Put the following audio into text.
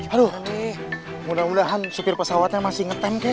aduh mudah mudahan supir pesawatnya masih ngetem kayak